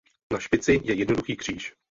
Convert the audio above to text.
Na špici je jednoduchý kříž.